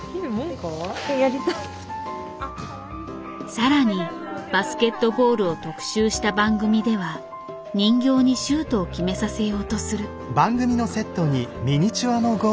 さらにバスケットボールを特集した番組では人形にシュートを決めさせようとする。